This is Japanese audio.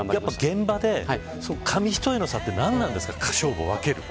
現場で紙一重の差って何なんですかね、勝負を分ける。